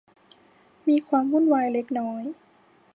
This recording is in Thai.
มีความวุ่นวายเล็กน้อย